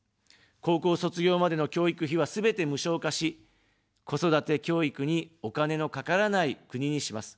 高校卒業までの教育費は、すべて無償化し、子育て、教育にお金のかからない国にします。